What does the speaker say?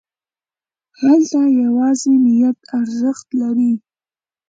هلته یوازې نیت ارزښت لري.